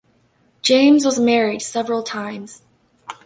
James was married several times.